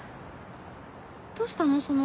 どうしたの？